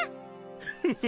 フフフ。